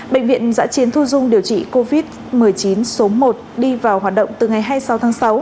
bệnh viện giã chiến thu dung điều trị covid một mươi chín số một đi vào hoạt động từ ngày hai mươi sáu tháng sáu